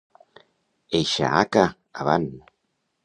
Eixa haca, avant!